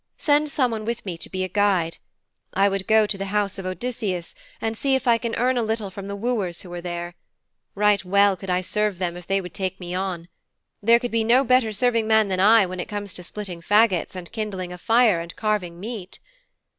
Send someone with me to be a guide. I would go to the house of Odysseus, and see if I can earn a little from the wooers who are there. Right well could I serve them if they would take me on. There could be no better serving man than I, when it comes to splitting faggots, and kindling a fire and carving meat.'